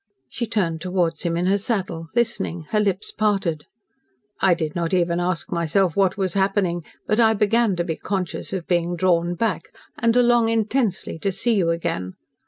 She turned towards him in her saddle, listening, her lips parted. "I did not even ask myself what was happening, but I began to be conscious of being drawn back, and to long intensely to see you again.